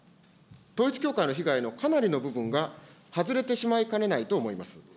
統一教会の被害のかなりの部分が外れてしまいかねないと思います。